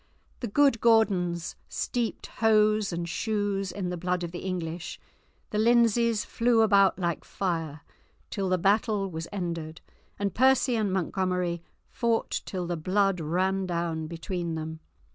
The good Gordons steeped hose and shoes in the blood of the English; the Lindsays flew about like fire till the battle was ended, and Percy and Montgomery fought till the blood ran down between them.